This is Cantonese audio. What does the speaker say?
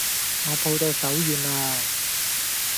我抱到手軟啦